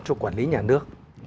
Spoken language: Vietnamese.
cho quản lý nhà nước